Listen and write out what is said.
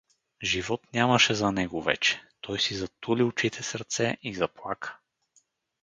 Живот нямаше за него вече… Той си затули очите с ръце и заплака.